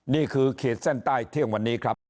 นี่คือเขตเส้นใต้เที่ยววันนี้ครับ